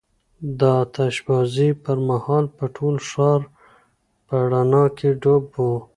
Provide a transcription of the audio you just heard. د آتش بازۍ پر مهال به ټول ښار په رڼا کې ډوب و.